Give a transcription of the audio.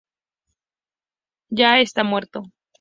Ya está muerto.